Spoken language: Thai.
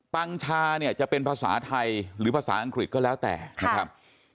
ปังชาเนี่ยจะเป็นภาษาไทยหรือภาษาอังกฤษก็แล้วแต่นะครับ